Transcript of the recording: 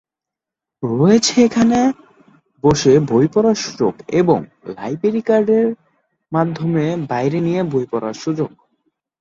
রয়েছে এখানেই বসে পড়ার সুযোগ এবং লাইব্রেরী কার্ড এর মাধ্যমে বাইরে নিয়ে বই পড়ার সুযোগ।